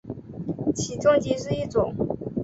起重机是一种。